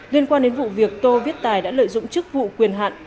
liên quan đến vụ việc tô viết tài đã lợi dụng chức vụ quyền hạn